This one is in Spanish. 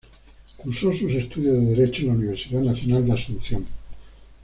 Cursó sus estudios de derecho en la Universidad Nacional de Asunción.